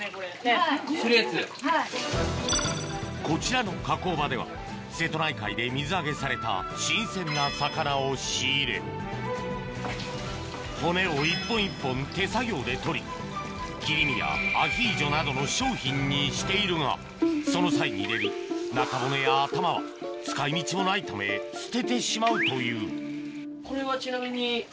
こちらの加工場では瀬戸内海で水揚げされた新鮮な魚を仕入れ骨を一本一本手作業で取り切り身やアヒージョなどの商品にしているがその際に出る中骨や頭は使い道もないため捨ててしまうというこれはちなみに？